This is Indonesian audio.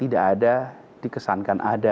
tidak ada perbedaan dikesankan ada perbedaan